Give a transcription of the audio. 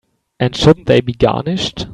And shouldn't they be garnished?